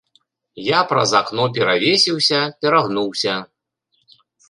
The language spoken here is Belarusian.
Я праз акно перавесіўся, перагнуўся.